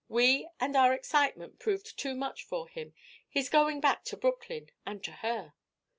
We and our excitement proved too much for him. He's going back to Brooklyn and to her."